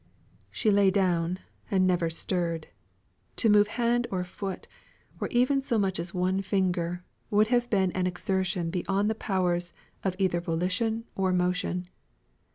She lay down and never stirred. To move hand or foot, or even so much as one finger, would have been beyond the powers of either volition or motion.